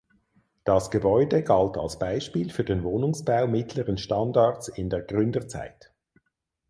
Das Gebäude galt als Beispiel für den Wohnungsbau mittleren Standards in der Gründerzeit.